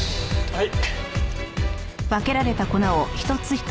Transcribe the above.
はい。